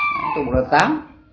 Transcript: tôi muốn là tám